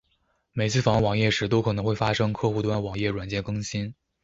每次访问网页时都可能会发生客户端网页软件更新。